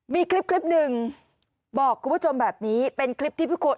มีคลิปนึงบอกกุฏชมแบบนี้เป็นคลิปที่ผู้